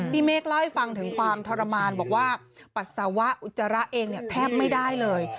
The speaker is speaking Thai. เมฆเล่าให้ฟังถึงความทรมานบอกว่าปัสสาวะอุจจาระเองเนี่ยแทบไม่ได้เลย